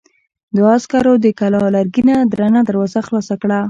دوو عسکرو د کلا لرګينه درنه دروازه خلاصه کړه.